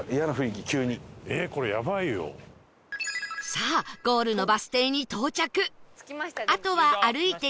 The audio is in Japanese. さあゴールのバス停に到着